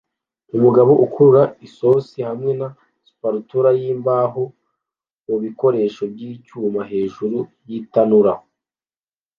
Umugabo ukurura isosi hamwe na spatula yimbaho mubikoresho byicyuma hejuru yitanura